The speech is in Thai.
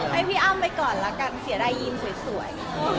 ให้พี่อ้ำไปก่อนละกันเสียดายยีนสวย